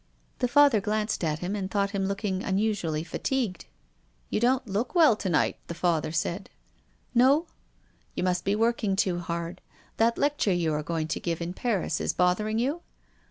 The Father glanced at him and thought him looking unusually fatigued. 282 TONGUES OF CONSCIENCE. " You don't look well to night," the Father said "No?" " You must be working too hard. That lecture you arc going to give in Paris is bothering you